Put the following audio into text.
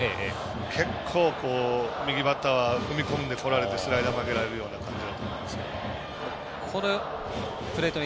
結構、右バッターは踏み込んでこられてスライダーを曲げられる感じだと思います。